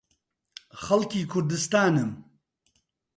خەڵکی کوردستانم.